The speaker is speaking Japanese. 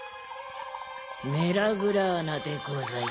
・メラグラーナでございます。